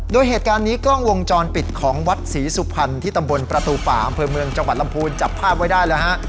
โดยเหตุการณ์นี้กล้องวงจรปิดของวัดศรีสุพรรณที่ตำบลประตูป่าอำเภอเมืองจังหวัดลำพูนจับภาพไว้ได้แล้วฮะ